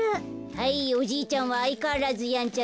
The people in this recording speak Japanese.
はいおじいちゃんはあいかわらずやんちゃです。